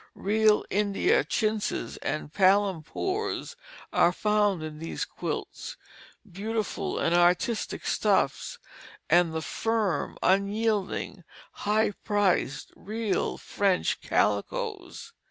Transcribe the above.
Real India chintzes and palampours are found in these quilts, beautiful and artistic stuffs, and the firm, unyielding, high priced, "real" French calicoes.